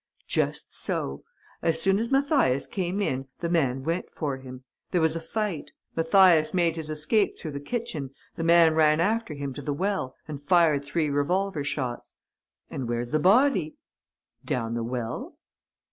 "Just so. As soon as Mathias came in, the man went for him. There was a fight. Mathias made his escape through the kitchen. The man ran after him to the well and fired three revolver shots." "And where's the body?" "Down the well."